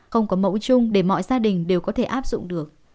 không có mẫu chung để mọi gia đình đều có thể áp dụng được